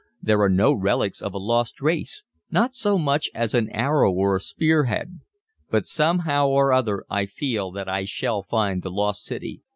There are no relics of a lost race not so much as an arrow or spear head. But, somehow or other, I feel that I shall find the lost city.